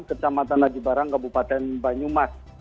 kecamatan aji barang kabupaten banyumas